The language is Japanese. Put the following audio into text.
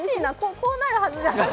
こうなるはずじゃ。